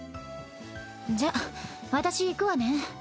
じゃあ私行くわね。